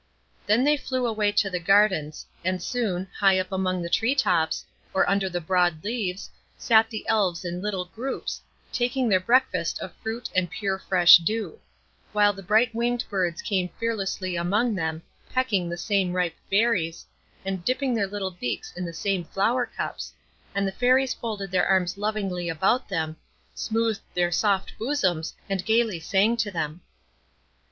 Then they flew away to the gardens, and soon, high up among the tree tops, or under the broad leaves, sat the Elves in little groups, taking their breakfast of fruit and pure fresh dew; while the bright winged birds came fearlessly among them, pecking the same ripe berries, and dipping their little beaks in the same flower cups, and the Fairies folded their arms lovingly about them, smoothed their soft bosoms, and gayly sang to them.